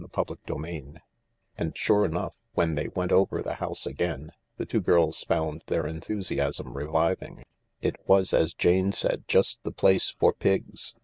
CHAPTER XIX And, sure enough, when they went over the house again, the two girls found their enthusiasm reviving. It was, as Jane said, just the place for Pigs.